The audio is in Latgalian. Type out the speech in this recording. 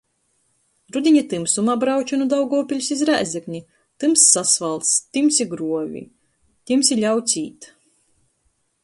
Rudiņa tymsumā brauču nu Daugovpiļs iz Rēzekni – tymss asfalts, tymsi gruovi, tymsi ļauds īt.